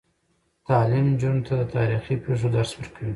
تعلیم نجونو ته د تاریخي پیښو درس ورکوي.